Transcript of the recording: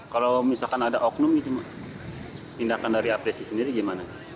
kalau misalkan ada oknum tindakan dari apdesi sendiri gimana